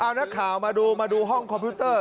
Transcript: เอานักข่าวมาดูมาดูห้องคอมพิวเตอร์